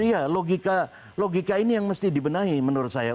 iya logika ini yang mesti dibenahi menurut saya